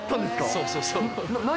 そうそうそう。